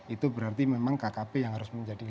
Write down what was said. itu berarti memang kkp yang harus menjadi